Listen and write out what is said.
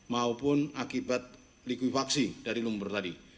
maupun akibat likuifaksi dari lumber